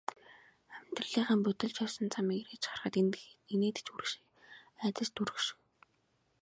Амьдралынхаа будилж явсан замыг эргэж харахад инээд ч хүрэх шиг, айдас ч төрөх шиг.